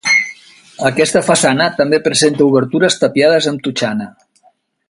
Aquesta façana també presenta obertures tapiades amb totxana.